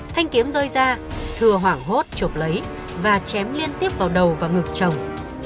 thanh kiếm rơi ra thưa hoảng hốt chụp lấy và chém liên tiếp vào đầu và ngực chồng